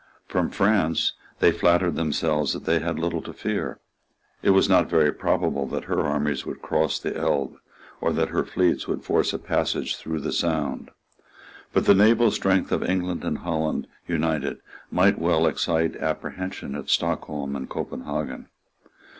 From France they flattered themselves that they had little to fear. It was not very probable that her armies would cross the Elbe, or that her fleets would force a passage through the Sound. But the naval strength of England and Holland united might well excite apprehension at Stockholm and Copenhagen.